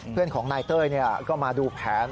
เพื่อนของนายเต้ยก็มาดูแผน